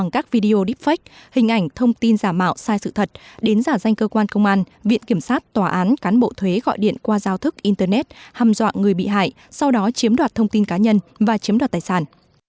các video deepfake hình ảnh thông tin giả mạo sai sự thật đến giả danh cơ quan công an viện kiểm sát tòa án cán bộ thuế gọi điện qua giao thức internet hầm dọa người bị hại sau đó chiếm đoạt thông tin cá nhân và chiếm đoạt tài sản